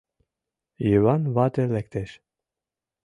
Йыван вате лектеш.